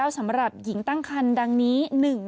สำหรับหญิงตั้งคันดังนี้